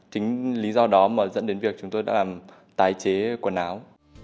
chính lý do đó mà dẫn đến việc chúng tôi đã làm tái chế quần áo